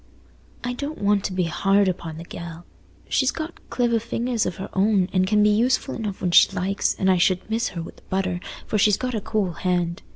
"I don't want to be hard upo' the gell. She's got cliver fingers of her own, and can be useful enough when she likes and I should miss her wi' the butter, for she's got a cool hand.